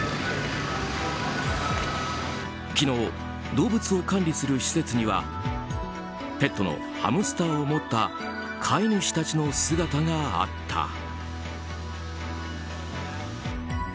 昨日、動物を管理する施設にはペットのハムスターを持った飼い主たちの姿があった。